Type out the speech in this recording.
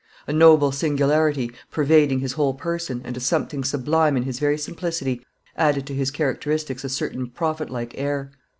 A noble singularity, pervading his whole person, and a something sublime in his very simplicity, added to his characteristics a certain prophet like air.